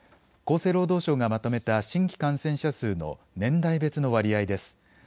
厚生労働省がまとめた新規感染者数の年代別の割合です。